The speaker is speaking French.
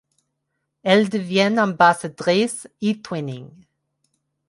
Elle devient ambassadrice eTwinning.